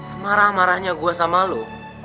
semarah marahnya gue sama lo